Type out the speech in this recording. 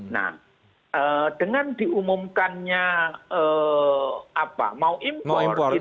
nah dengan diumumkannya mau impor